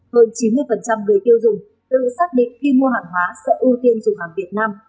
hơn chín mươi người tiêu dùng tự xác định khi mua hàng hóa sẽ ưu tiên dùng hàng việt nam